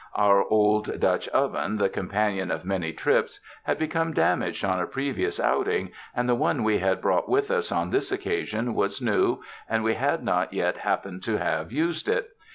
Our old Dutch oven, the companion of many trips, had become damaged on a previous outing, and the one we had brought with us on this occa sion was new and we had not yet happened to have used it.